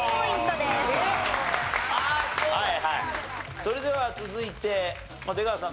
それでは続いてまあ出川さん